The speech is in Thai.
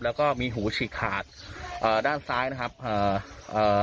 แล้วก็มีหูฉีกขาดเอ่อด้านซ้ายนะครับเอ่อเอ่อ